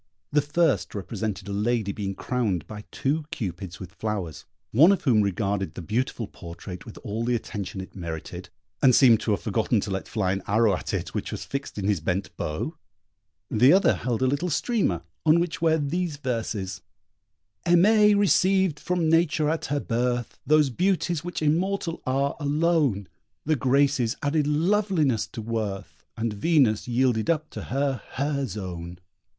The first represented a lady being crowned by two Cupids with flowers, one of whom regarded the beautiful portrait with all the attention it merited, and seemed to have forgotten to let fly an arrow at it which was fixed in his bent bow; the other held a little streamer, on which were these verses: Aimée received from Nature at her birth Those beauties which immortal are, alone. The Graces added loveliness to worth, And Venus yielded up to her her zone.